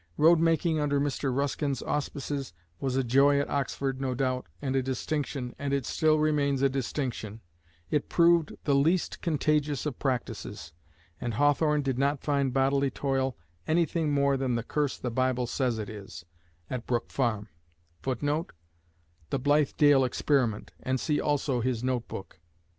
Road making under Mr. Ruskin's auspices was a joy at Oxford no doubt, and a distinction, and it still remains a distinction; it proved the least contagious of practices. And Hawthorne did not find bodily toil anything more than the curse the Bible says it is, at Brook Farm. [Footnote: The Blythedale Experiment, and see also his Notebook.